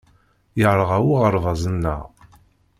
Yerɣa uɣerbaz-nneɣ.